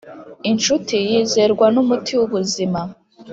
inshuti yizerwa numuti wubuzima